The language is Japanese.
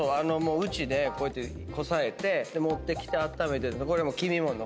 うちでこうやってこさえて持ってきてあっためてんの。